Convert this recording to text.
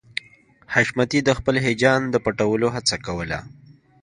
حشمتي د خپل هيجان د پټولو هڅه کوله